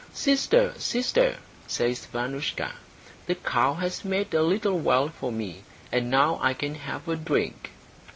"Sister, sister," says Vanoushka, "the cow has made a little well for me, and now I can have a drink."